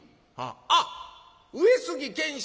「あっ上杉謙信